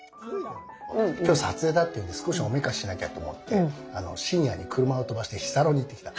今日撮影だっていうんで少しおめかししなきゃと思って深夜に車を飛ばして日サロに行ってきた。